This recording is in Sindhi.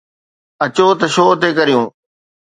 اچو ته شو تي ڪريون